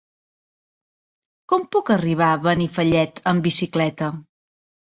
Com puc arribar a Benifallet amb bicicleta?